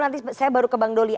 nanti saya baru ke bang doli